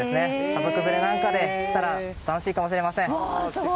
家族連れなんかで来たら楽しいかもしれません。